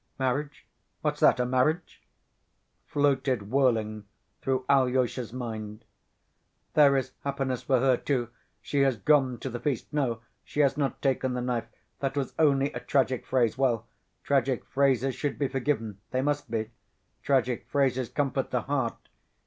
_" "Marriage? What's that?... A marriage!" floated whirling through Alyosha's mind. "There is happiness for her, too.... She has gone to the feast.... No, she has not taken the knife.... That was only a tragic phrase.... Well ... tragic phrases should be forgiven, they must be. Tragic phrases comfort the heart....